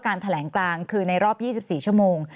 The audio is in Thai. แถลงกลางคือในรอบ๒๔ชั่วโมง